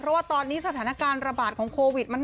เพราะว่าตอนนี้สถานการณ์ระบาดของโควิด